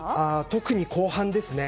特に後半ですね。